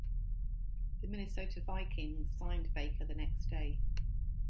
The Minnesota Vikings signed Baker the next day.